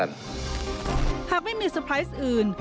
หากไม่มีสไพรส์อื่น